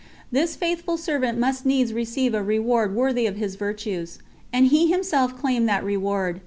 This faithful servant must needs receive a reward worthy of his virtues, and he himself claimed that reward.